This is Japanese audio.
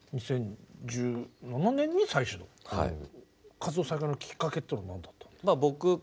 活動再開のきっかけっていうのは何だったんですか？